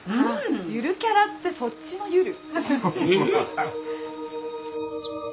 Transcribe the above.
ゆるキャラってそっちのゆる？